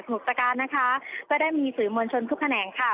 หล่อแรงแบบได้ยินค่ะ